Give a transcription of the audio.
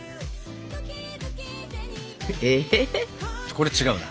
これ違うな。